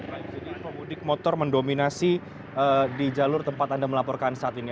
baik jadi pemudik motor mendominasi di jalur tempat anda melaporkan saat ini